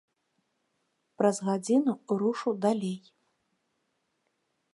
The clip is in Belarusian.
Праз гадзіну рушу далей.